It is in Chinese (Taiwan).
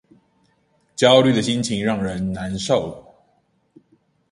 焦慮的心情很讓人難受